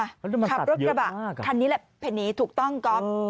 เขาต้องมาตัดเยอะมากคันนี้แหละเพลงนี้ถูกต้องก๊อบ